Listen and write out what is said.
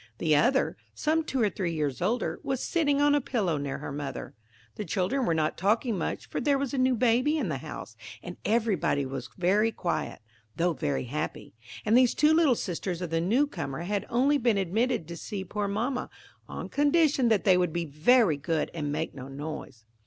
The other, some two or three years older, was sitting on a pillow near her mother. The children were not talking much, for there was a new baby in the house, and everybody was very quiet, though very happy; and these two little sisters of the new comer had only been admitted to see poor mamma, on condition that they would be very good and make no noise.